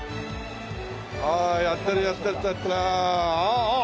ああやってるやってるやってる。ああ！